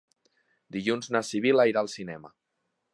Dilluns na Sibil·la irà al cinema.